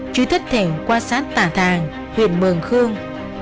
trứ thất thể quan sát tà thàng huyện mường khương